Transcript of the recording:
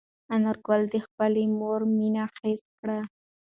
انارګل د خپلې مور مینه حس کړه.